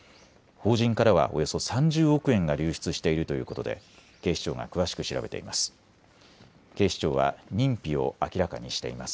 法人からはおよそ３０億円が流出しているということで警視庁が詳しく調べています。